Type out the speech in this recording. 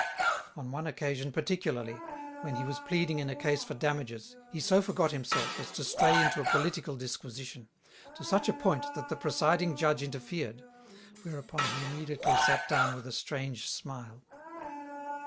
On one occasion particularly, when he was pleading in a case for damages, he so forgot himself as to stray into a political disquisition, to such a point that the presiding judge interfered, whereupon he immediately sat down with a strange smile.